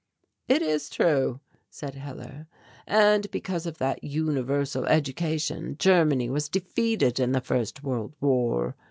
"It is true," said Hellar, "and because of that universal education Germany was defeated in the First World War.